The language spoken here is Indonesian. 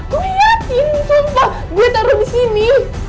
gua yakin sumpah gua taro disini